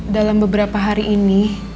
dalam beberapa hari ini